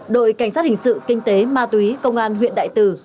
đội cảnh sát hình sự kinh tế ma túy công an huyện đại từ